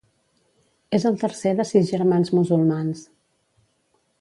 És el tercer de sis germans musulmans